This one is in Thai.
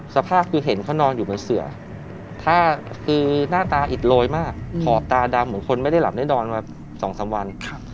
สภาพคือเห็นเขานอนอยู่บนเสือคือหน้าตาอิดโรยมากขอบตาดำเหมือนคนไม่ได้หลับได้นอนมา๒๓วัน